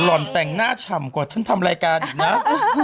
ห่อนแต่งหน้าฉ่ำกว่าฉันทำรายการอีกนะ